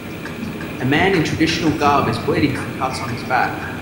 A man in traditional garb is bleeding from cuts on his back.